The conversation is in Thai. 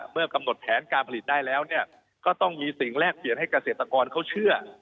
เมื่อกำหนดแผนการผลิตได้แล้วก็ต้องมีสิ่งแลกเปลี่ยนให้เกษตรกรเขาเชื่อ